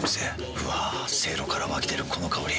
うわせいろから湧き出るこの香り。